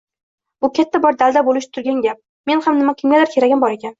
bu – katta bir dalda bo‘lishi turgan gap. Mening ham kimgadir keragim bor ekan